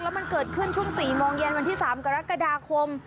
แล้วมันเกิดขึ้นช่วง๔โมงเย็นวันที่๓กรกฎาคม